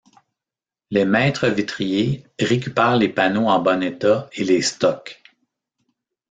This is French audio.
Les maître-vitriers récupèrent les panneaux en bon état et les stockent.